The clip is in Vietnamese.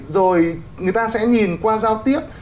rồi người ta sẽ nhìn qua giao tiếp